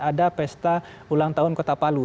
ada pesta ulang tahun kota palu